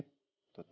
tetap aja gagal